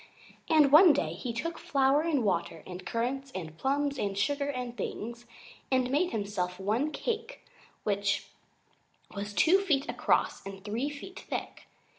And one day he took flour and water and currants and plums and sugar and things, and made himself one cake which was two feet across and three feet thick.